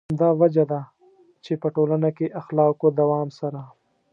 همدا وجه ده چې په ټولنه کې اخلاقو دوام سره.